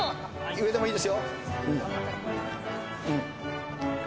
上でもいいですよ。